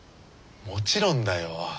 もちろんだよ。